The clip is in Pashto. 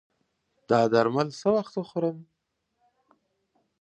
دا درمل څه وخت وخورم؟